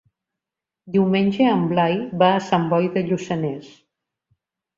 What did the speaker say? Diumenge en Blai va a Sant Boi de Lluçanès.